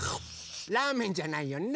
ラーメンじゃないよね！